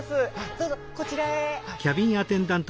どうぞこちらへ。